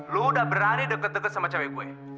lu udah berani deket deket sama cewek gue